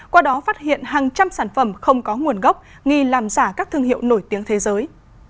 qua đó phát hiện hàng trăm sản phẩm không có nguồn gốc nghi làm giả các thương hiệu nổi tiếng thế giới